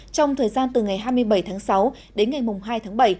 trong thời gian từ ngày hai mươi bảy tháng sáu đến ngày hai tháng bảy